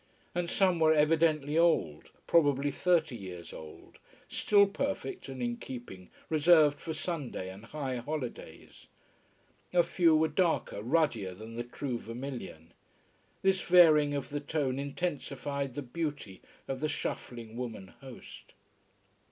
And some were evidently old: probably thirty years old: still perfect and in keeping, reserved for Sunday and high holidays. A few were darker, ruddier than the true vermilion. This varying of the tone intensified the beauty of the shuffling woman host.